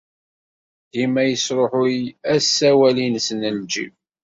Dima yesṛuḥuy asawal-nnes n ljib.